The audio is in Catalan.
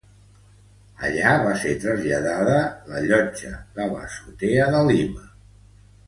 Allí va ser traslladada la llotja de l'Azotea de Lima.